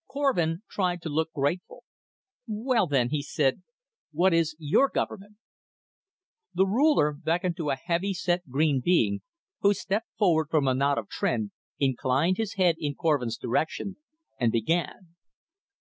Korvin tried to look grateful. "Well, then," he said, "what is your government?" The Ruler beckoned to a heavy set green being, who stepped forward from a knot of Tr'en, inclined his head in Korvin's direction, and began.